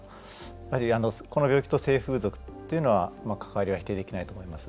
やはり、この病気と性風俗の関わりは否定できないと思います。